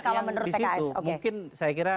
kalau menurut pks